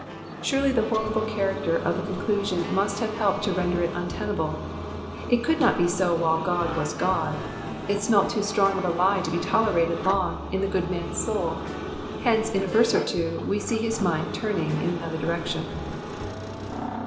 Surely the horrible character of the conclusion must have helped to lender it un tenable ; it could not be so while God was God. It smelt too strong of a lie to be tolerated long in the good man's soul ; hence, in a verse or two, we see his mind turning in another direction.